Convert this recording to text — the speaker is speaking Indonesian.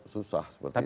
susah seperti itu